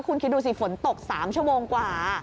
คุณคิดดูสิฝนตก๓ชั่วโมงกว่า